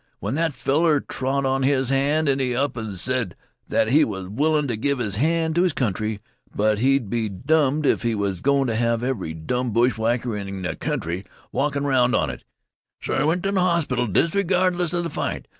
When that feller trod on his hand, he up an' sed that he was willin' t' give his hand t' his country, but he be dumbed if he was goin' t' have every dumb bushwhacker in th' kentry walkin' 'round on it. Se he went t' th' hospital disregardless of th' fight.